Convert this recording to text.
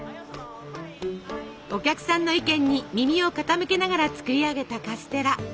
お客さんの意見に耳を傾けながら作り上げたカステラ。